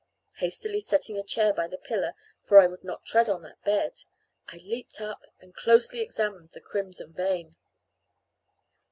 Hastily setting a chair by the pillar, for I would not tread on that bed, I leaped up, and closely examined the crimson vein.